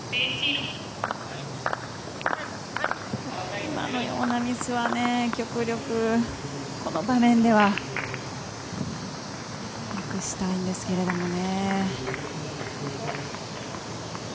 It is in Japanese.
今のようなミスは極力、この場面ではなくしたいんですけれどもね。